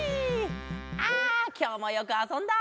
あきょうもよくあそんだ。